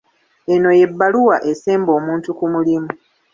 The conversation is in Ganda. Eno y'ebbaluwa esemba omuntu ku mulimu.